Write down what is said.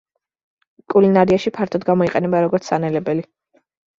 კულინარიაში ფართოდ გამოიყენება როგორც სანელებელი.